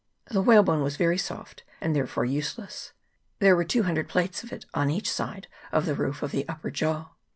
The whalebone was very soft, and therefore useless. There were two hundred plates of it on each side of the roof of the upper jaw.